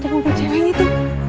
apa teman perempuannya tuh